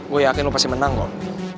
gue yakin lo pasti menang kok